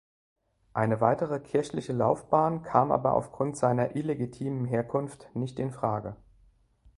Eine weitere kirchliche Laufbahn kam aber aufgrund seiner illegitimen Herkunft nicht in Frage.